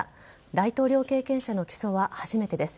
大統領経験者の起訴は初めてです。